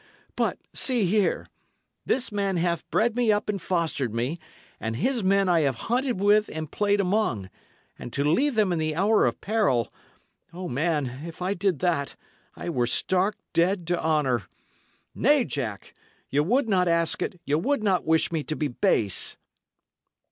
But, see here: This man hath bred me up and fostered me, and his men I have hunted with and played among; and to leave them in the hour of peril O, man, if I did that, I were stark dead to honour! Nay, Jack, ye would not ask it; ye would not wish me to be base."